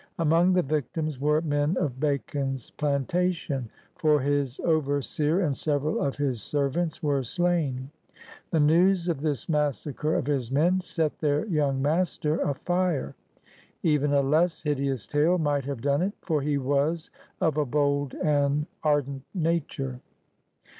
Among the victims were men of Bacon's plantation, for his overseer and 164 PIONEERS OF THE OLD SOUTH several of his servants were slain. The news of this massacre of his men set their young master afire. Even a less hideous tale might have done it, for he was of a bold and ardent nature.